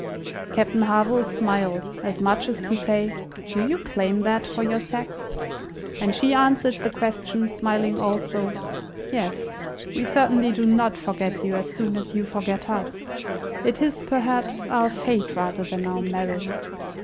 Captain Harville smiled, as much as to say, "Do you claim that for your sex?" and she answered the question, smiling also, "Yes. We certainly do not forget you as soon as you forget us. It is, perhaps, our fate rather than our merit.